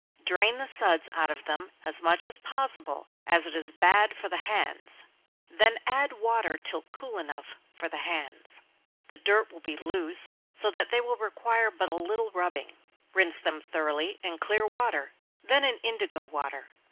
Drain the suds out of them as much as possible, as it is bad for the hands; then add water till cool enough for the hands. The dirt will be loose, so that they will require but a little rubbing. Rinse them thoroughly in clear water, then in indigo water.